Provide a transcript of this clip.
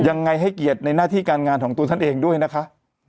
ยังไงให้เกียรติในหน้าที่การงานของตัวท่านเองด้วยนะคะ